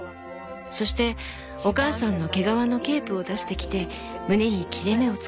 そしてお母さんの毛皮のケープを出してきて胸に切れ目を作り